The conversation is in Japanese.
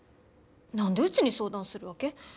何でうちに相談するわけ？